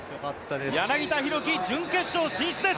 柳田大輝、準決勝進出です。